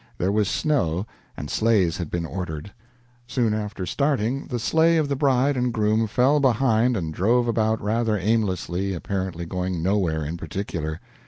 There was snow, and sleighs had been ordered. Soon after starting, the sleigh of the bride and groom fell behind and drove about rather aimlessly, apparently going nowhere in particular.